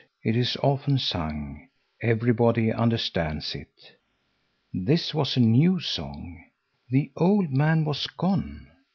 It is often sung. Everybody understands it. This was a new song. The old man was gone.